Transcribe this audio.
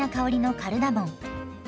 カルダモン！